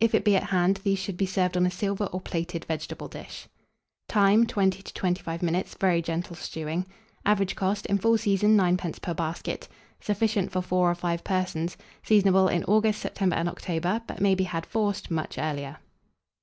If it be at hand, these should be served on a silver or plated vegetable dish. Time. 20 to 25 minutes, very gentle stewing. Average cost, in full season, 9d. per basket. Sufficient for 4 or 5 persons. Seasonable in August, September, and October; but maybe had, forced, much earlier.